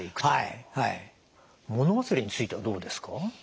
もの忘れについてはどうですか？